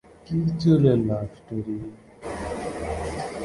কী চুলের love story?